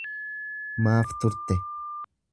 Maaf turte.